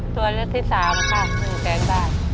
ตัวเลือกที่๓ค่ะ๑แสนบาท